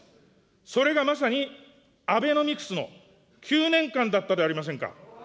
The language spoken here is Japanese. それがまさにアベノミクスの９年間だったでありませんか。